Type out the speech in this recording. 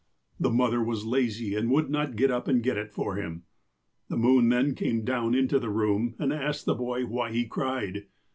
The mother was lazy, and would not get up and get it for him. The moon then came down into the room, and asked the boy why he cried.